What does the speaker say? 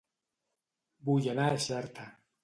Vull anar a Xerta